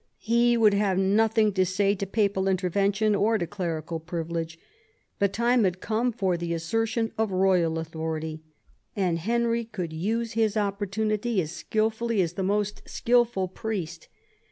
He would have nothing to say to papal intervention or to clerical privilege ; the time had come for the assertion of royal authority, and Henry could use his opportunity as skilfully as the most skilful priest.